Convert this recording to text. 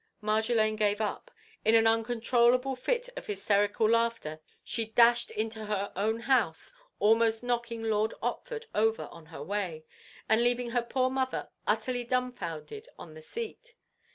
Marjolaine gave up. In an uncontrollable fit of hysterical laughter she dashed into her own house, almost knocking Lord Otford over on her way, and leaving her poor mother utterly dumbfounded on the seat.